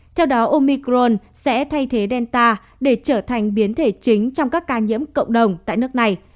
theo đó omicron sẽ thay thế delta để trở thành biến thể chính trong các ca nhiễm cộng đồng tại nước này